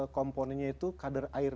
komponennya itu kadar air